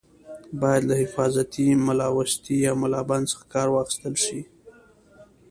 باید له حفاظتي ملاوستي یا ملابند څخه کار واخیستل شي.